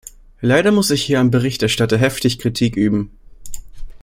Leider muss ich hier am Berichterstatter heftig Kritik üben.